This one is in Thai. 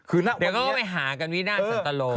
เดี๋ยวเขาก็ไปหากันวินาศสันตโล